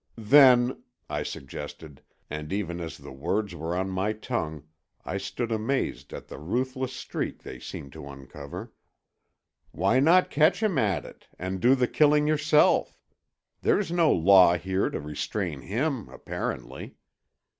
"Then," I suggested, and even as the words were on my tongue I stood amazed at the ruthless streak they seemed to uncover, "why not catch him at it—and do the killing yourself. There's no law here to restrain him, apparently.